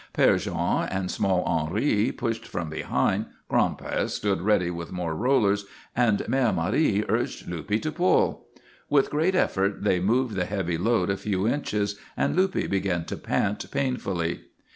Père Jean and small Henri pushed from behind, Gran'père stood ready with more rollers, and Mère Marie urged Luppe to pull. With great effort they moved the heavy load a few inches, and Luppe began to pant painfully.